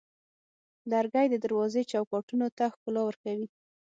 لرګی د دروازو چوکاټونو ته ښکلا ورکوي.